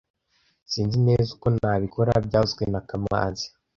Sinzi neza uko nabikora byavuzwe na kamanzi